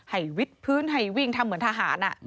วิทพื้นให้วิ่งทำเหมือนทหาร